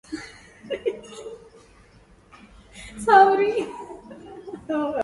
Beside the altar was the place reserved for the Vestal.